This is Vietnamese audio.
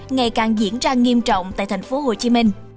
ngày càng diễn ra nghiêm trọng tại thành phố hồ chí minh